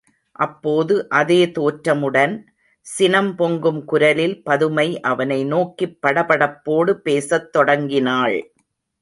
அப்போது அதே தோற்றமுடன், சினம் பொங்கும் குரலில் பதுமை அவனை நோக்கிப் படபடப்போடு பேசத் தொடங்கினாள்.